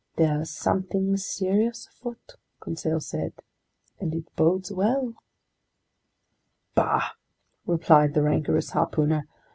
"There's something serious afoot," Conseil said, "and it bodes well." "Bah!" replied the rancorous harpooner.